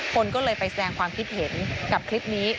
คนก็เลยไปแสดงความคิดเห็นกับคลิปนี้